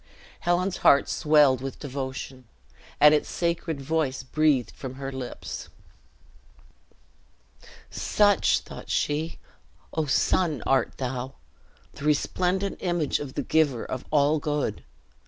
Helen's heart swelled with devotion, and its sacred voice breathed from her lips. "Such," thought she, "O sun, art thou! The resplendent image of the Giver of all Good.